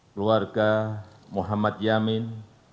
keluarga muhammad yamin